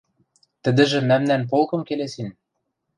Тӹдӹжӹ мӓмнӓн полкым келесен.